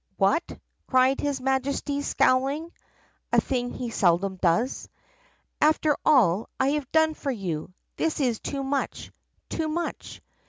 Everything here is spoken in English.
" 'What!' cried his Majesty scowling (a thing he seldom does). 'After all I have done for you! This is too much — too much!